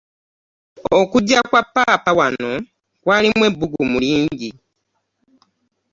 Okujja kwa ppaapa wano kwalimu ebbugumu lingi.